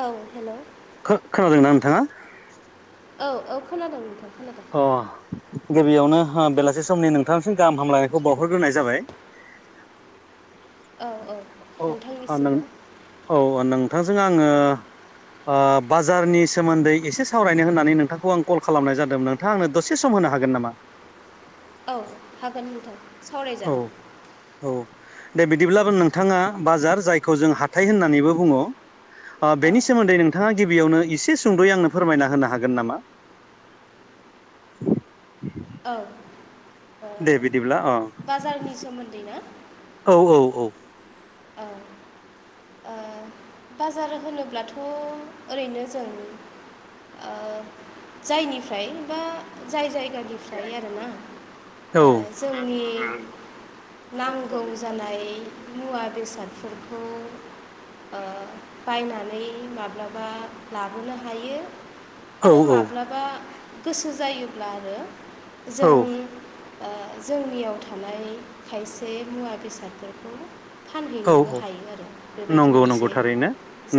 औ हेलौ खो खोनादोंना नोंथाङा? औ औ खोनादों नोंथां। खोनादों अ गिबियावनो बेलासि समनि नोंथांनिसिम गाहाम हामलायनायखौ बावहरग्रोनाय जाबाय। औ औ औ अ नोंथांनिसिमबो नोंऔ नोंथांजों आङो बाजारनि सोमोन्दै एसे सावरायनो होननानै नोंथांखौ आं कल खालामनाय जादोंमोन। नोंथाङा आंनो दसे सम होनो हागोन नामा? औ हागोन नोंथां औ सावरायजागोन। औ दे बिदिब्लाबो नोंथाङा बाजार जायखौ जों हाथाय होननानैबो बुङो। ओ औ बेनि सोमोन्दै नोंथाङा? गिबियावनो एसे सुंद'यै आंनो फोरमायना होनो हागोन नामा? औ दे बिदिब्ला अ बाजारनि सोमोन्दै ना? औ औ औ। औ ओ बाजार होनोब्लाथ' ओरै'नो जों ओ जायनिफ्राय बा जाय जायगानि निफ्राय आरोना ओ जोंनि नांगौ जानाय मुवा बेसादफोरखौ ओ बायनानै माब्लाबा लाबोनो हायो औ आरो माब्लाबा गोसो जायोब्ला आरो औ जों आ जोंनियाव थानाय खायसे मुवा बेसादफोरखौ औ फानहैनोबो औ हायो आरो बेबायदि नंगौ नंगौ मोनसे थारैनो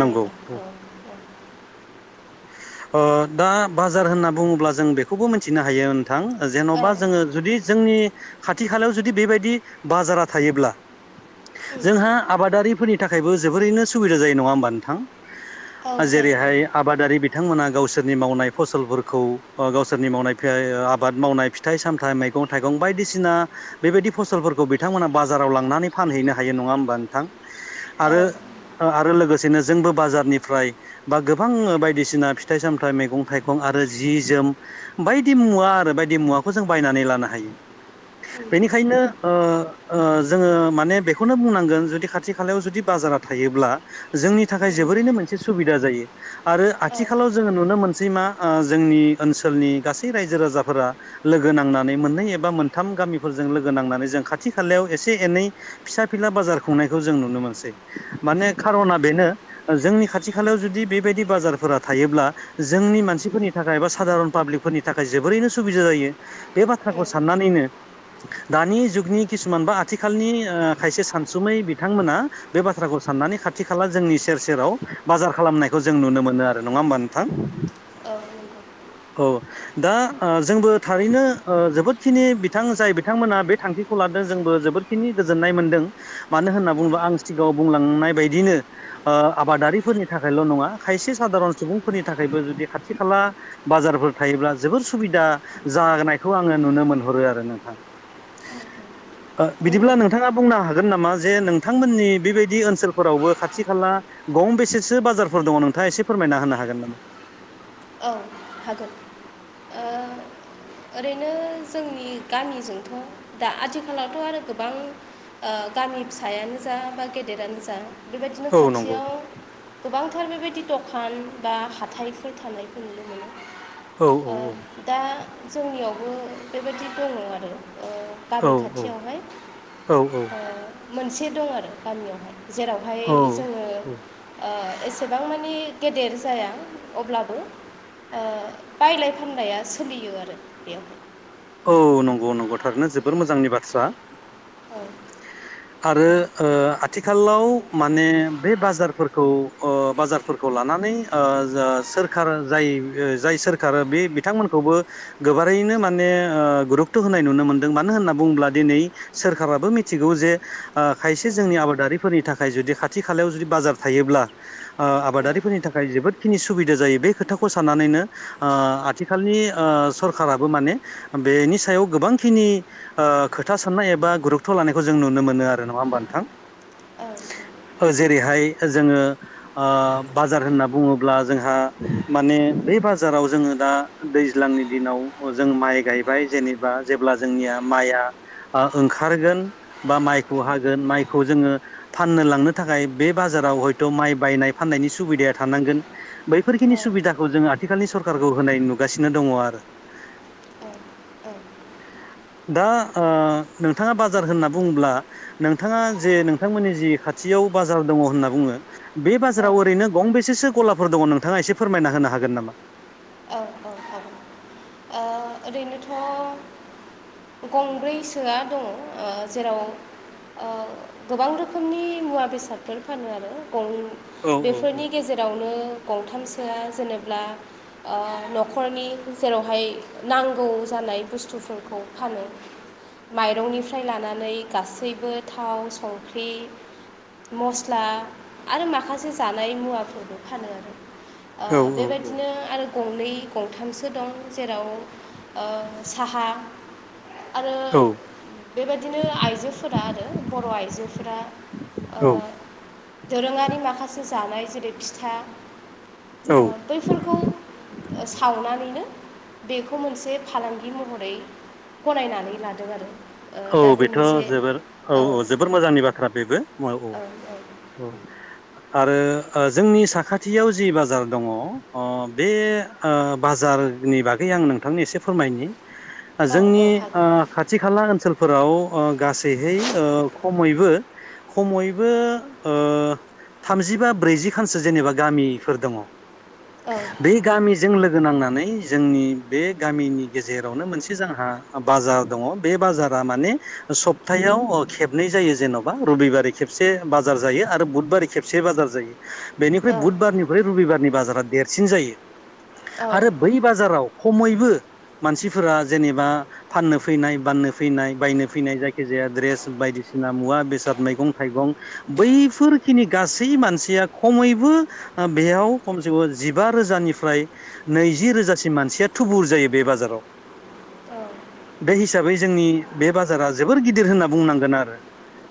नंगौ औ औ। अ दा बाजार होनना बुङोब्ला जों बेखौबो मिथिनो हायो थां औ जेन'बा जोंङो जुदि जोंनि खाथि-खालायाव जुदि बेबायदि बाजारा थायोब्ला जोंहा औ आबादारिफोरनि थाखायबो जोबोरैनो सुबिदा जायो नङा होमबा नोंथां? औ जायो औ। जेरैहाय आबादारि बिथांमोना गावसोरनि मावनाय फसलफोरखौ अ गावसोरनि मावनाय [unintelligible] आबाद मावनाय फिथाइ सामथाइ मैगं थाइगं बायदिसिना बेबायदि फसलफोरखौ बिथांमोना बाजाराव लांनानै फानहैनो हायो नङा हो मबा नोंथां आरो औ ओ आरो लोगोसेनो जोंबो बाजारनिफ्राय बा गो बां बायदिसिना फिथाइ सामथाइ मैगं थाइगं आरो जि जोम बायदि मुवा आरो बायदि मुवा खौ जों बायनानै लानो हायो। बेनिखायनो ओ ओ जोंङो माने बेखौनो बुंनांगोन जुदि खाथि खालायाव जुदि बा जारा थायोब्ला जोंनि थाखाय जोबोरैनो मोनसे सुबिदा जायो। आरो औ आथिखालाव जोंङो नुनो मोनसै मा ओ जोंनि ओनसोलनि गासै रायजो राजाफोरा लोगो नांनानै मोननै एबा मोनथाम गामिफोरजों लोगो नांनानै जों खाथि-खालायाव एसे एनै फिसा फि नला खुंनायखौ जों नुनो मोनसै माने खार'ना बेनो जोंनि खाथि खालायाव जुदि बे बायदि बारफोरा थायोब्ला जोंनि मानसिफोरनि थाखाय एबा साघारन पाब्लिकफोरनि थाखाय जोबोरैनो सुबिदा जायो। बे बाथ्राखौ साननानैनो दानि जुगनि किसुमान बा आथिखालनि ओ खायसे सानसुमै बिथांमोना बे बाथ्राखौ साननानै खाथि खाला जोंनि सेर सेराव बाजार खालामनायखौ जों नुनो मोनो आरो नङा होमबा नोंथां? औ नंगौ। औ दा आ जोंबो थारैनो ओ जोबोदखिनि बिथां जाय बिथांमोना बे थांखिखौ लादों जोंबो जोबोरखिनि गोजोननाय मोनदों मानो होनना बुङोबा आं सिगांङाव बुंलांनाय बायदिनो आ आबादारिफोरनि थाखायल' नङा खायसे साघारन सुबुंफोरनि थाखायबो जुदि खाथि खाला बाजारफोर थायोब्ला जोबोर सुबिदा जानायखौ आंङो नुनो मोनहरो आरो नोंथां। ओ नंगौ बिदिब्ला नोंथाङा बुंनो हागोन? गोन नामा जे नोंथांमोननि बेबायदि ओनसोलफोरावबो खाथि खाला गं बेसेसो बाजार फोर दङ नोंथांङा एसे फोरमायना होनो हागोन नामा? औ हागोन ओ ओरैनो जोंनि गामिजोंथ' दा आथिखालावथ' आरो गोबां ओ गामि फिसायानो जा बा गेदेरानो जा बेबायदिनो औ नंगौ खाथियाव गोबांथार बेबायदि दखान बा हाथायफोर थानाय खौ नुनो मोनो औ ओ दा जोंनियावबो बेबायदि दङ आरो। ओ औ गामि खाथियावहाय औ ओ मोनसे दं आरो गामियावहाय जेरावहाय औ जोंङो औ ओ एसेबां मानि गेदेर जाया अब्लाबो ओ बायलाय फाननाया सोलियो आरो बेयावहाय। औ नंगौ-नंगौ थारैनो जोबोर मोजांनि बाथ्रा। औ आरो ओ आथिखालाव माने बे बाजारफोरखौ ओ बाजारफोरखौ लाना नै ओ जा सोरखार जाय-जाय सोरखार बे बिथांमोनखौबो गोबारैनो माने ओ गुरुकत' होनाय नुनो मोनदों मानो होनना बुङोब्ला दिनै सोरखाराबो मिथिगौ जे आ खायसे जोंनि आबादारिफोरनि थाखाय जुदि खाथि-खालायाव जुदि बाजार थायोब्ला ओ आबादारिफोरनि थाखाय जोबोदखिनि सुबिदा जायो बे खोथाखौ साननानैनो आ आथिखालनि आ सरखाराबो माने बेनि सायाव गोबांखिनि आ खोथा साननाय एबा गुरुक्थ' लानायखौ जों नुनो मोनो आरो नङा होनबा नों थां। औ। जेरैहाय जोङो बाजार होनना बुङोब्ला जोंहा माने बे बाजाराव जोङो दा दैज्लांनि दिनाव जों माइ गाय जेनेबा जेब्ला जोंनिया माइया आ ओंखारगोन बा माइखौ हागोन माइखौ जोङो फाननो लांनो थाखाय बे बाजार हयथ' माइ बायनाय फाननायनि सुबिदाया थानांगोन बैफोरखिनि औ सुबिदाखौ जोंङो आथिखालनि सरखारारखौ होनाय नुगासिनो दङ आरो औ औ [inaudible] दा ओ नोंथाङा बाजार होनना बुङोब्ला नोंथाङा जे नोंथांमोननि जि खाथियाव बाजाराव दङ होनना बुङो बे बाजाराव ओरैनो गंबेसेसो गलाफोर दङ नोंथाङा एसे फोरमायना होनो हागोन नामा औ औ औ ओ थाबाय ओरैनोथ' गंब्रैसोआ दङ ओ जेराव ओ गोबां रोखोमनि मुवा बेसादफोर फानो आरो गं औ औ बेफोरनि गेजेरावनो गंथामसोआ जेनेल्बा ओ न'खरनि जेरावहाय नांगौ जानाय बुस्थुफोरखौ फानो माइरंनिफ्राय लानानै गासैबो थाव संख्रि मस्ला आरो माखासे जानाय मुवाफोरबो फानो आरो ओ औ बेबायदिनो आरो गंनै गंथामसो दं जेराव ओ साहा आरो औ बेबायदिनो आइजोफोरा आरो बर' आइजोफोरा ओ औ दोरोङारि माखासे जानाय जेरै फिथा औ ओ बैफोरखौ सावनानैनो बेखौ मोनसे फालांगि महरै गनायनानै लादों आरो औ दा बे बेथ' मोनसे जोबोर औ औ जोबोर मोजांनि बाथ्रा बेबो औ औ आरो ओ जोंनि साखाथियाव जि बाजार दङ ओ बे ओ बाजारनि बागै आं नोंथांनि एसे फोरमायनि औ जोंनि औ ओ हागोन खाथि खाला ओनसोल फोराव ओ गासैहै खमैबो खमैबो ओ थामजि बा ब्रैजि खानसो जेनेबा गामिफोर दङ औ बे गामिजों लोगो नांनानै जोंनि बे गामिनि गेजेरावनो मोनसे जोंहा बाजार दङ बे बाजार लामानि सप्तायाव खेबनै जायो जेन'बा रबिबार खेबसे बाजार जायो आरो बु बार खेबसे बाजार जायो बेनिख्रुइ औ बुधबारनिख्रुइ रबिबारनि बाजारा देरसिन जायो औ आरो बै बाजाराव खमैबो मानसिफोरा जेनेबा फाननो फैनाय बाननो फैनाय बायनो फैनाय जायखि जाया द्रेस बायदिसिना मुवा बेसाद मैगं थाइगं बैफोर खिनि गासै मानसिया खमैबो बेयाव खमसे खम जिबा रोजानिफ्राय नैजि रोजासिम मानसिया थुबुर जायो बे बाजाराव बे हिसाबै जोंनि बे बाजारा जोबोर गिदिर होनना बुंनांगोन आरो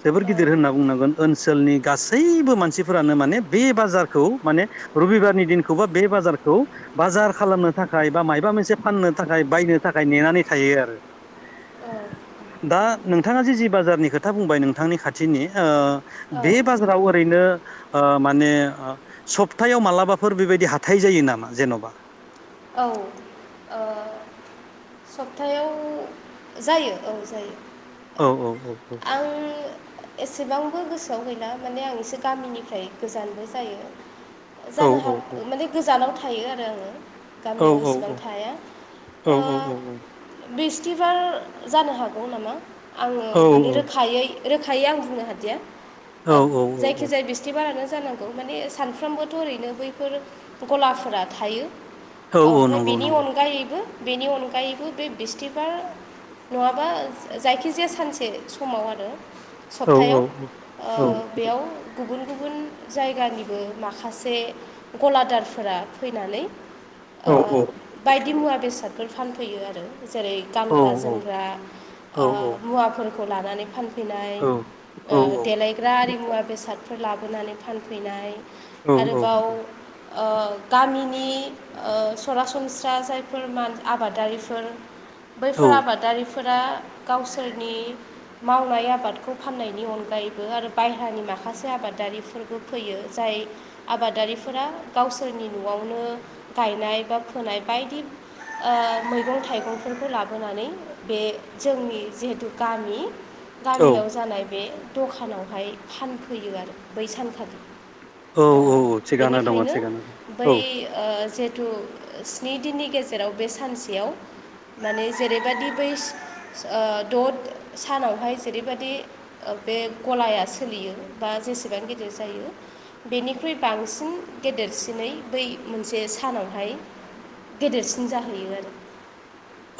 जोबोर गिदिर होनना बुंनांगोन ओनसोलनि गासैबो मानसिफोरानो माने बे बाजारखौ माने रबिबारनि दिनखौबा बे बाजारखौ बाजार खालामनो थाखाय बा माबा मोनसे फाननो थाखाय बायनो थाखाय नेनानै थायो आरो औ दा नोंथाङा जे जि बाजारनि खोथा बुंबाय नोंथांनि खाथिनि औ बे बाजाराव ओरैनो माने सप्तायाव मालाबाफोर बेबायदि हाथाय जायो नामा जेन'बा औ सप्थायायाव जायो औ जायो औ औ औ औ आं एसेबांबो गोसोआव गैला माने आं एसे गामिनिफ्राय गोजानबो जायो औ जानो हाग माने गोजानाव थायो आरो आङो औ गामियाव इसेबां थाया औ ओ बिस्थिबार जानो हागौ नामा आङो औ माने औ औ रोखायै रोखायै आं बुंनो हादिया औ ओ औ जायखिजाया बिस्थिबारानो जानांगौ माने सानफ्रामबोथ' ओरैनो बैफोर गलाफोरा थायो औ औ ओमफ्राय नंगौ बेनि नंगौ अनगायैबो बेनि अनगायैबो बे बिस्थिबार नङाबा जायखिजाया सानसे समाव आरो औ औ सप्तायाव ओ औ बेयाव गुबुन-गुबुन जायगानिबो माखासे गलादारफोरा फैनानै औ ओ बायदि मुवा बेसादफोर फानफैयो आरो जेरै औ गानग्रा जोमग्रा ओ औ मुवाफोरखौ लानानै फान फैनाय ओ देलायग्रा आरि मुवा बेसादफोर लाबोनानै फानफैनाय आरोबाव ओ गामिनि ओ सरासन स्रा जायफोर मान आबादारिफोर बैफोर आबादारिफोरा गावसोर [inaudible] मावनाय आबादखौ फान्नायनि अनगायैबो आरो बाह्रानि माखासे आबादारिफोरबो फैयो जाय हाय आबादारिफोरा गावसोरनि न'आवनो गायनाय बा फोनाय बायदि ओ मैगं-थाइगंफोरखौ लाबोनानै बे जोंनि जिहेथु गामि गामियाव औ जानाय बे दखानावहाय फानफैयो आरो बै सानखालि औ ओ औ औ थिगानो दङ बेनिखायनो थिगानो दङ औ बै ओ थु स्नि दिननि गेजेराव बे सानसेयाव माने जेरैबादि बैस ओस ओ दद सानावहाय जेरैबायदि ओ बे गलाया सोलियो बा जेसेबां गिदिर जायो बेनिख्रुइ बांसिन गेदेरसिनै बै मोनसे सानाव बेहाय गेदेरसिन जाहैयो आरो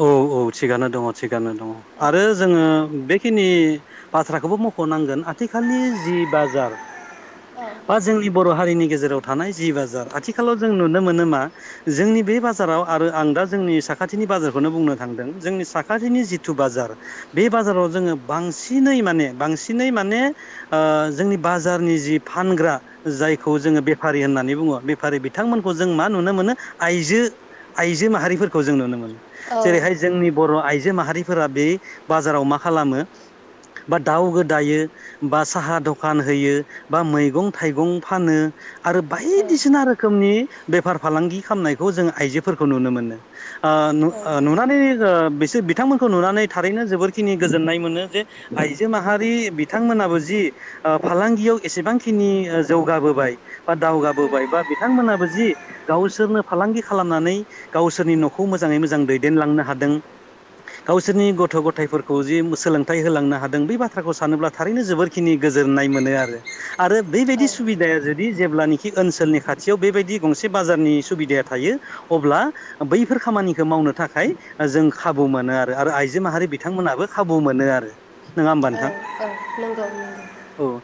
औ-औ थिगानो दङ थिगानो दङ औ आरो जोङो बे खिनि बाथ्राखौबो मख'नांगोन आथिखालनि जि बाजार बा जोंनि बर' हारिनि गेजे जेराव थानाय जि बाजार आथिखालाव जों नुनो मोनो मा जोंनि बे बाजाराव आरो आं दा जोंनि साख खाथिनि बाजार खौबुंनो थांदों जोंनि साखाथिनि जिथु बाजार बे बाजाराव जोङो बांसिनै माने बां सिनै माने ओ जोंनि बाजारनि जि फानग्रा जायखौ जोङो बेफारि होननानै बुङो बेफारि बिथांमोनखौ जों मा नुनो मोनो आइजो आइजो माहारिफोरखौ जों नुनो मोनो औ जेरैहाय जोंनि बर' आइजो माहारिफोरा बे बाजाराव मा खालामो बा दाउ गोदायो बा साहा दखान होयो बा मैगं-थाइगं फानो आरो बायदिसिना रोखोमनि बेफार फालांगि खालामनायखौ जोंङो आइजोफोरखौ नुनो मोनो ओ नु नुनानै ओ बिसो बिथांमोनखौ नुनानै थारैनो जोबोरखिनि गोजोननाय मोनो जे आइजो माहारि बिथांमोन नाबो जि ओ फालांगियाव एसेबांखिनि जौगाबोबाय बा दावगाबोबाय बा बिथां मोनहाबो जि गावसोरनो फालांगि खालामनानै गावसोरनि न'खौ मोजाङै मोज जां दैदेनलांनो हादों। गावसोरनि गथ' गथायफोरखौ जि सोलोंथाइ होलांनो हादों बे बाथ्राखौ सानोब्ला थारैनो जोबोरखिनि गोजोननाय मोनो आरो आरो औ बेबायदि सुबिदाया जुदि जेब्लानिखि ओनसोलनि खाथियाव बेबायदि गंसे बाजारनि सुबिदाया थायो अब्ला बैफोर खामानि खो मावनो थाखाय जों खाबु मोनो आरो आरो आइजो माहारि बिथांमोनाबो खाबु मोनो आरो नङा होमबा नों ओ नंगौ नंगौ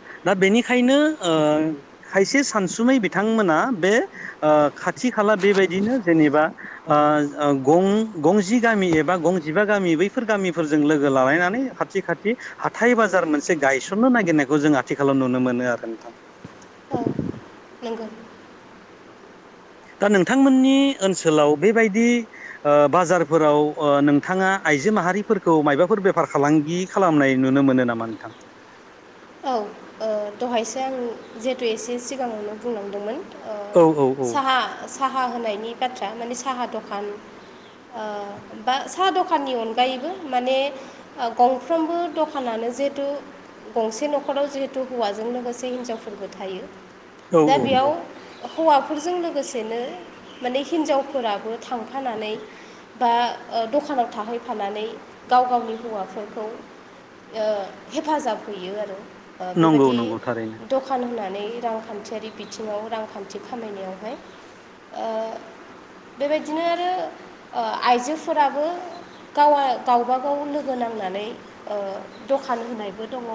दा बेनिखायनो ओ खायसे सानसुमै बिथांमोना बे ओ खाथि थि खाला बेबायदिनो जेनेबा ओ ओं गं गंजि गामि एबा गंजिबा गामि बैफोर गामिफोरजों लोगो लालायनानै खाथि खाथि हाथाय बाजार मोनसे गायसननो नागिरनायखौ जों आथिखालाव नुनो मोनो आरो नोंथां। औ नंगौ दा नोंथांमोननि ओनसोलाव बेबायदि ओ बाजारफोराव ओ नोंथाङा आइजो माहारिफोरखौ मायबाफोर बेफार फालांगि खालामनाय नुनो मोनो नामा नोंथां? औ ओ दहायसो आं जिहेथु एसे सिगाङावनो बुंलांदोंमोन। ओ औ औ साहा साहा होनायनि बाथ्रा माने साहा दखान ओ बा साहा दखाननि अनगायैबो माने गंफ्रोमबो दखानानो जिहेतु गंसे न'खराव जिहेथु हौवाजों लोगोसे हिनजावफोरबो थायो। औ दा औ बेयाव औ हौवा फोरजों लोगोसेनो माने हिनजावफोराबो थांफानानै बा ओ दखानाव थाहैफानानै गाव गावनि हौवाफोरखौ ओ हेफाजाब हैयो आरो ओ नंगौ बेबायदि नंगौ थारैनो दखान होना नै रांखान्थियारि बिथिङाव रांखान्थि खामायनायावहाय ओ बेबायदिनो आरो ओ आइजोफोराबो गावा गावबाागाव लोगो नांनानै ओ दखान होनायबो दङ।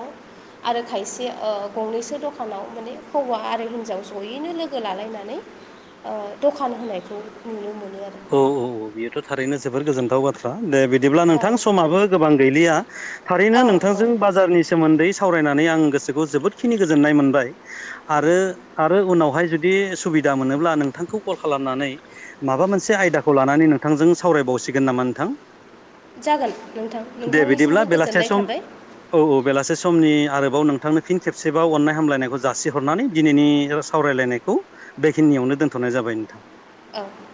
आरो खायसे ओ गंनैसो दखानाव माने हौवा आरो हिनजाव जयैनो लोगो लालायनानै ओ दखान होनायखौ नुनो मोनो। आरो औ औ औ बेयोथ' थारैनो जोबोर गोजोनथाव बाथ्रा। दे बिदिब्ला औ नोंथां समाबो गोबां गैलिया थारैनो औ औ नोंथांजों बाजारनि सोमोन्दै सावरायनानै आं गोसोखौ जोबोदखिनि गोजोननाय मोनबाय आरो आरो उनावहाय जुदि सुबिद दा मोनोब्ला नोंथांखौ कल खालामनानै माबा मोन से आयदाखौ लानानै नोंथांजों सावरायबावसिगोन नामा नोंथां? जागोन नोंथां दे बिदिब्ला नोंथांनिसिमबो बेलासे गोजोननाय सम थाबाय। औ औ बेलासे समनि आरोबाव नों थांनो फिन खेबसेबाव अननाय हामलायनायखौ जासिहरनानै दिनैनि सावरायलायनायखौ बेखिनियावनो दोनथ' नाय जाबाय नोंथां। औ